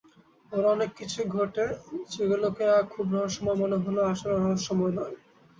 আবার অনেক কিছু ঘটে-যেগুলোকে আ খুব রহস্যময় মনে হলেও আসলে রহস্যময় নয়।